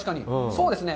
そうですね。